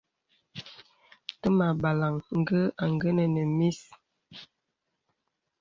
Təmà àbàlàŋ ngà àngənə́ nə mís.